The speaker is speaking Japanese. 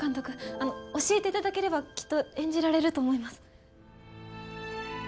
あの教えていただければきっと演じられると思います。